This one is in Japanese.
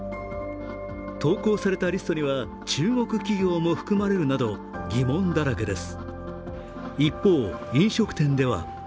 投稿されたリストには、中国企業も含まれるなど、疑問だらけです。